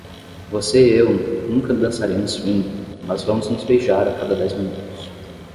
Você e eu nunca dançaremos swing, mas vamos nos beijar a cada dez minutos.